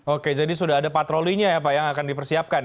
oke jadi sudah ada patrolinya yang akan dipersiapkan